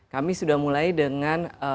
kami sudah mulai dengan